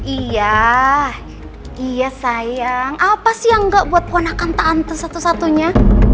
iya iya sayang apa sih yang enggak buat puan akanta ante satu satunya